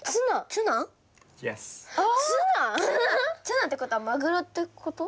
ツナってことはマグロってこと？